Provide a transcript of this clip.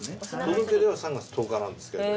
届け出は３月１０日なんですけど。